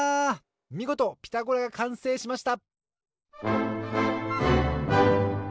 みごと「ピタゴラ」がかんせいしました